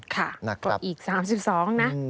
ค่ะก็อีก๓๒นะ